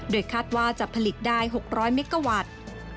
โดยคาดว่าจะผลิตได้๖๐๐เมกาวัตต์